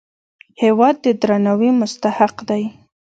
هېواد د درناوي مستحق دی.